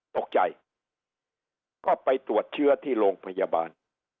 ตกใจก็ไปตรวจเชื้อที่โรงพยาบาล